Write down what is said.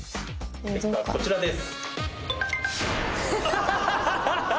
結果はこちらです。